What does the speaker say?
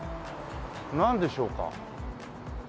なんでしょうか？